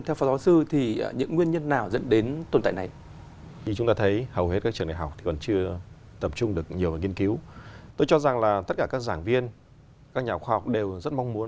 theo phó giáo sư những nguyên nhân nào dẫn đến tồn tại này